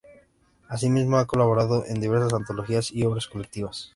Así mismo ha colaborado en diversas antologías y obras colectivas.